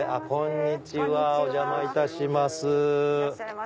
こんにちはお邪魔いたします。